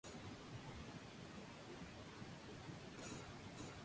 Lupita comienza a bailar en un cabaret, donde sortea varios obstáculos.